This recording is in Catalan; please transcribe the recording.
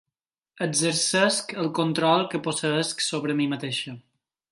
Exercisc el control que posseïsc sobre mi mateixa.